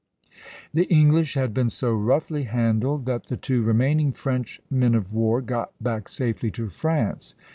The English had been so roughly handled that the two remaining French men of war got back safely to France.